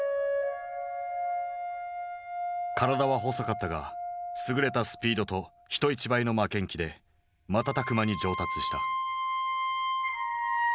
体は細かったが優れたスピードと人一倍の負けん気で瞬く間に上達した。